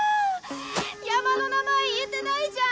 山の名前言えてないじゃん！